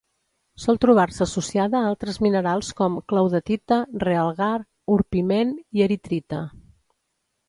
Sol trobar-se associada a altres minerals com: claudetita, realgar, orpiment i eritrita.